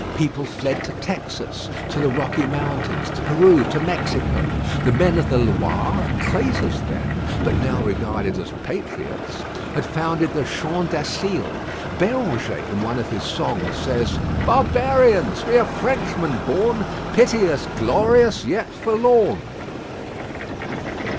People fled to Texas, to the Rocky Mountains, to Peru, to Mexico. The men of the Loire, traitors then, but now regarded as patriots, had founded the Champ d'Asile. Béranger in one of his songs says "Barbarians! we are Frenchmen born; Pity us, glorious, yet forlorn."